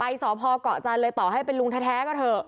ไปส่อพกจเลยต่อให้เป็นลุงแท้ก็เถอะ